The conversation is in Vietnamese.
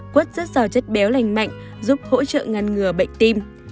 quất rất sao chất béo lành mạnh giúp hỗ trợ ngăn ngừa bệnh tim